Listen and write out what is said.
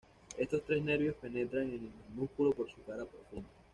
Estos tres nervios penetran en el músculo por su cara profunda.